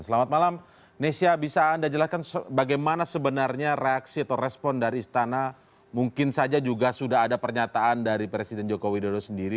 selamat malam nesya bisa anda jelaskan bagaimana sebenarnya reaksi atau respon dari istana mungkin saja juga sudah ada pernyataan dari presiden joko widodo sendiri